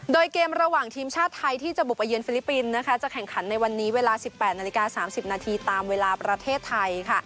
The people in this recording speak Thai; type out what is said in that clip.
โดยเกมระหว่างทีมชาติไทยที่จะบุกไปเยือฟิลิปปินส์จะแข่งขันในวันนี้เวลา๑๘นาฬิกา๓๐นาทีตามเวลาประเทศไทย